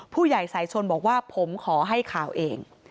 ผู้ใหญ่สายชนบอกว่าผมขอให้ข่าวเอง